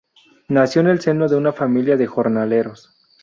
Nació en el seno de una familia de jornaleros.